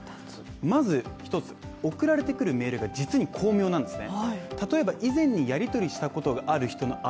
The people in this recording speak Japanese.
まず一つ、送られてくるメールが実に巧妙なんですね。